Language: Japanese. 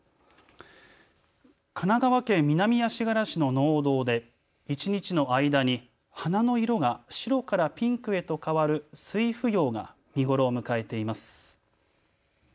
神奈川県南足柄市の農道で一日の間に花の色が白からピンクへと変わる酔芙蓉が見頃を迎えています。